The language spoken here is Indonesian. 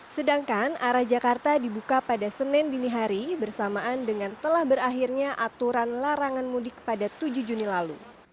sedangkan arah jakarta dibuka pada senin dini hari bersamaan dengan telah berakhirnya aturan larangan mudik pada tujuh juni lalu